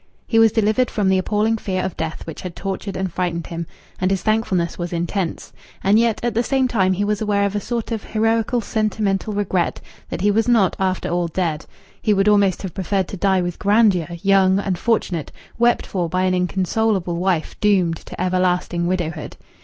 He was delivered from the appalling fear of death which had tortured and frightened him, and his thankfulness was intense; and yet at the same time he was aware of a sort of heroical sentimental regret that he was not, after all, dead; he would almost have preferred to die with grandeur, young, unfortunate, wept for by an inconsolable wife doomed to everlasting widowhood.